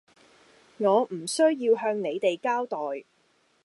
我唔需要向你哋交代